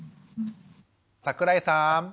桜井さん。